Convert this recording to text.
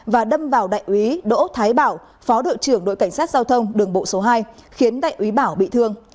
và đâm vào đại úy đỗ thái bảo phó đội trưởng đội cảnh sát giao thông đường bộ số hai khiến đại úy bảo bị thương